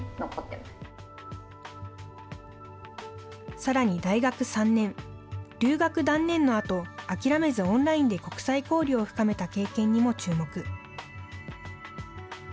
さらに大学３年、留学断念のあと、諦めずオンラインで国際交流を深めた経験にも注目。